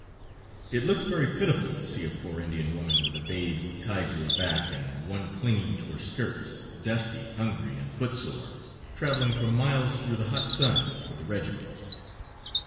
It looks very pitiful to see a poor Indian woman with a babe tied to her back and one clinging to her skirts, dusty, hungry and footsore, traveling for miles through the hot sun with the regiments.